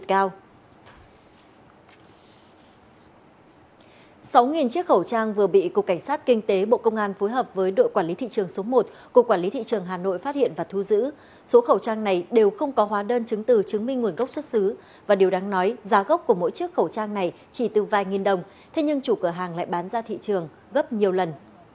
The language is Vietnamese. số khẩu trang này đều không có hóa đơn chứng từ chứng minh nguồn gốc xuất xứ và điều đáng nói giá gốc của mỗi chiếc khẩu trang này chỉ từ vài nghìn đồng thế nhưng chủ cửa hàng lại bán ra thị trường gấp nhiều lần